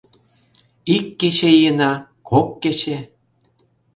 Ик кече ийына, кок кече...